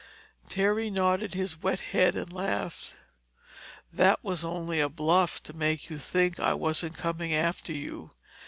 Terry nodded his wet head and laughed. "That was only a bluff to make you think I wasn't coming after you.